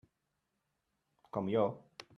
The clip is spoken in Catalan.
Com jo.